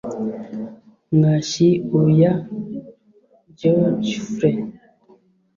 Mwashiuya Geoffrey